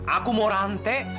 aku mau rantai